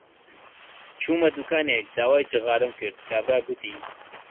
چوومە دووکانێک داوای جغارەم کرد، کابرا گوتی: